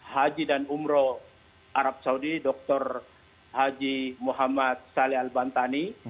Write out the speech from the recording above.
haji dan umroh arab saudi dr haji muhammad saleh al bantani